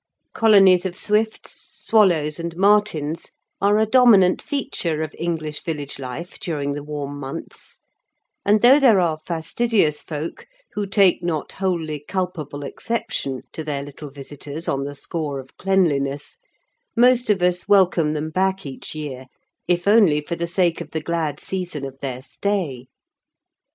Colonies of swifts, swallows, and martins are a dominant feature of English village life during the warm months; and though there are fastidious folk who take not wholly culpable exception to their little visitors on the score of cleanliness, most of us welcome them back each year, if only for the sake of the glad season of their stay.